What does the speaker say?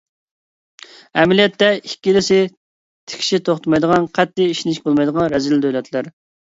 ئەمەلىيەتتە ئىككىلىسى تىكىشى توختىمايدىغان، قەتئىي ئىشىنىشكە بولمايدىغان رەزىل دۆلەتلەر.